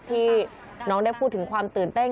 ที่น้องได้พูดถึงความตื่นเต้น